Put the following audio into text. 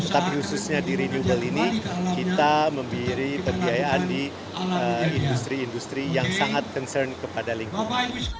tapi khususnya di renewable ini kita membiri pembiayaan di industri industri yang sangat concern kepada lingkungan